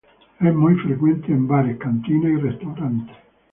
Es muy frecuente en bares, cantinas y restaurantes.